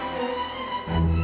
aku mau jalan